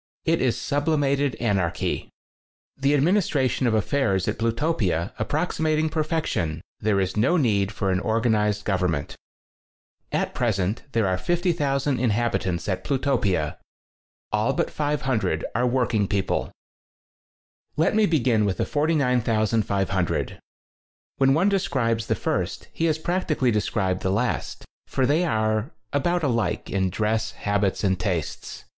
It is sublimated anarchy. The administration of affairs at Plu topia approximating perfection, there is no need for an organized govern ment. At present, there are 50,000 inhab itants at Plutopia. All but 500 are working people. Let me begin with the 49,500. When one describes the first he has prac tically described the last, for they are about alike in dress, habits and tastes.